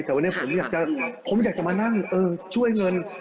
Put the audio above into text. แต่วันผมอยากจะผมอยากจะมานั่งเออช่วยเงิน